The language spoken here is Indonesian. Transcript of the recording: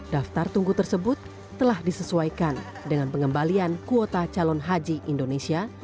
daftar tunggu tersebut telah disesuaikan dengan pengembalian kuota calon haji indonesia